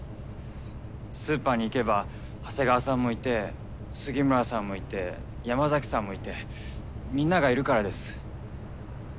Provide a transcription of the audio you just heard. スーパーに行けば長谷川さんもいて杉村さんもいて山崎さんもいてみんながいるからです。